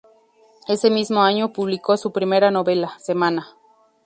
Ese mismo año publicó su primera novela: "Semana".